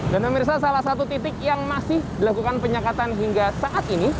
dan memirsa salah satu titik yang masih dilakukan penyekatan hingga saat ini